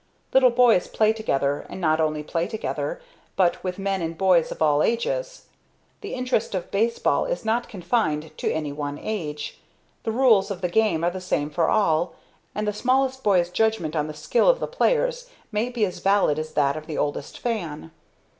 Little boys play together and not only play together, but with men and boys of all ages. The interest of baseball is not confined to any one age. The rules of the game are the same for all, and the smallest boy's judgment on the skill of the players may be as valid as that of the oldest fan.